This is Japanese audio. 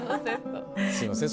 すいません